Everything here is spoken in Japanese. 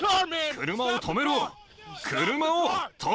車を止めろ！